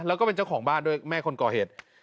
แล้วก็เป็นเจ้าของบ้านด้วยแม่คนก่อเหตุ